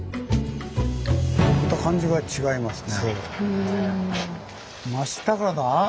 また感じが違いますね。